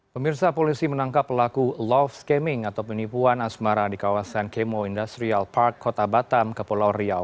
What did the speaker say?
pemirsa polisi menangkap pelaku love scaming atau penipuan asmara di kawasan kemo industrial park kota batam ke pulau riau